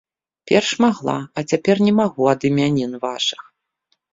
Перш магла, а цяпер не магу, ад імянін вашых.